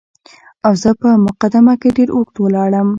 او زه په مقدمه کې ډېر اوږد ولاړم.